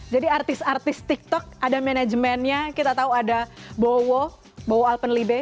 jadi artis artis tiktok ada manajemennya kita tahu ada bowo alpenlibe